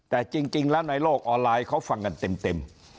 แต่จริงแล้วในโลกออนไลน์เขาฟังกันเต็ม